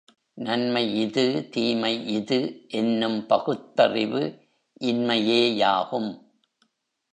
நன்மை இது, தீமை இது என்னும் பகுத்தறிவு இன்மையேயாகும்.